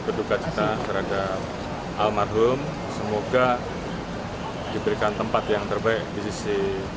berduka cita terhadap almarhum semoga diberikan tempat yang terbaik di sisi